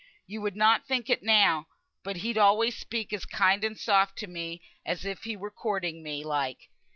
You would not think it, now, but he'd alway speak as kind and soft to me as if he were courting me, like.